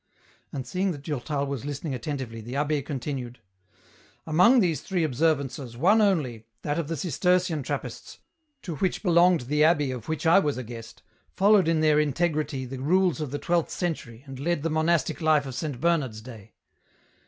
And seeing that Durtal was listening attentively, the abb^ continued, —" Among these three observances, one only, that of the Cistercian Trappists, to which belonged the abbey of which I was a guest, followed in their integrity the rules of the twelfth century, and led the monastic life of Saint Bernard's day.